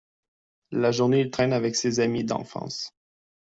La journée, il traîne avec ses amis d'enfance.